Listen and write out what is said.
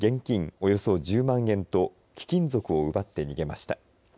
およそ１０万円と貴金属を奪って逃げました。